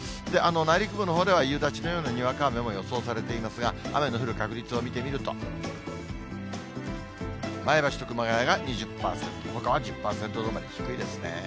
内陸部のほうでは夕立のようなにわか雨も予想されていますが、雨の降る確率を見てみると、前橋と熊谷が２０％、ほかは１０％止まり、低いですね。